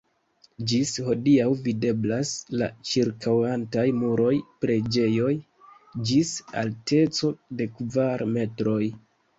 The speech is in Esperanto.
Ĝis hodiaŭ videblas la ĉirkaŭantaj muroj preĝejoj (ĝis alteco de kvar metroj).